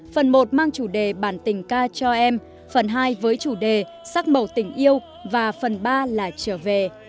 phần một mang chủ đề bản tình ca cho em phần hai với chủ đề sắc màu tình yêu và phần ba là trở về